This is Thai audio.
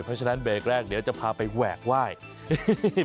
เพราะฉะนั้นเบรกแรกเดี๋ยวจะพาไปแหวกไหว้